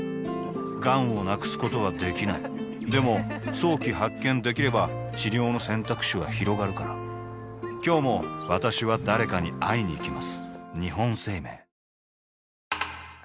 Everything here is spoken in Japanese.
がんを無くすことはできないでも早期発見できれば治療の選択肢はひろがるから今日も私は誰かに会いにいきます